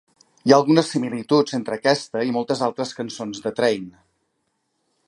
Hi ha algunes similituds entre aquesta i moltes altres cançons de Train.